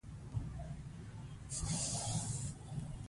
د افغانانو مېلمه پالنه په نړۍ کې مشهوره ده.